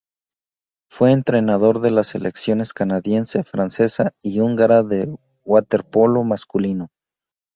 Fue entrenador de las selecciones canadiense, francesa y húngara de waterpolo masculino.